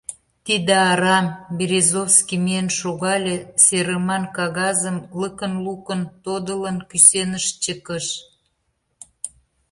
— Тиде арам, — Березовский миен шогале, серыман кагазым лыкын-лукын тодылын, кӱсеныш чыкыш.